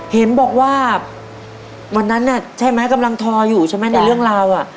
เห็นบอกว่าวันนั้นน่ะใช่ไหมกำลังทออยู่ใช่ไหมในเรื่องราวอ่ะ